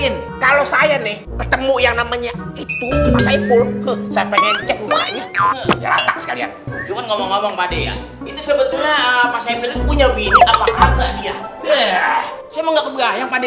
ngomong ngomong pada yang itu sebetulnya punya bini apa kata dia udah semangat berah yang pada